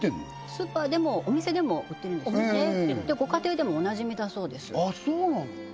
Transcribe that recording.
スーパーでもお店でも売ってるんですねご家庭でもおなじみだそうですあっそうなんだ